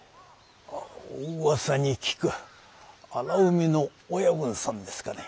おうわさに聞く荒海の親分さんですかね？